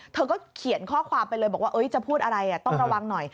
เธอก็เขียนข้อความไปเลยบอกว่าจะพูดอะไรต้องระวังหน่อย